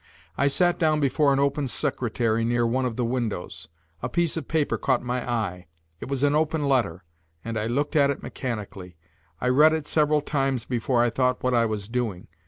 I sat down before an open secretary near one of the windows. A piece of paper caught my eye; it was an open letter, and I looked at it mechanically. I read it several times before I thought what I was doing.